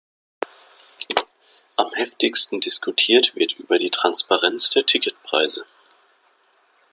Am heftigsten diskutiert wird über die Transparenz der Ticketpreise.